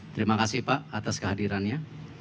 terima kasih pak atas kehadirannya